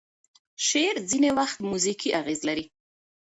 شعر ځینې وختونه موزیکي اغیز لري.